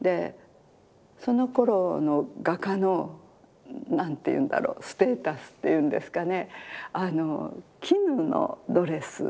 そのころの画家の何ていうんだろうステータスっていうんですかね